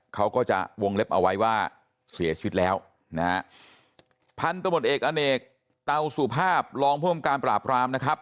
เขาก็จะวงเล็บเอาไว้ว่าเสียชีวิตแล้วนะฮะพันธบทเอกอเนกเตาสุภาพรองผู้มการปราบรามนะครับ